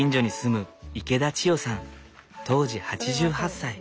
当時８８歳。